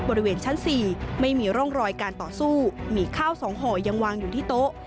บริเวณชั้น๔ไม่มีร่องรอยการต่อสู้มีข้าวสองห่อยังวางอยู่ที่โต๊ะ